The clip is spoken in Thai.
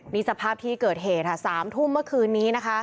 นี่สภาพที่เกิดเหตุ๓ทุ่มเมื่อคืนนี้